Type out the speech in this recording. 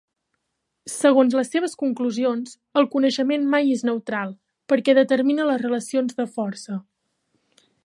Segons les seves conclusions, el coneixement mai és neutral perquè determina les relacions de força.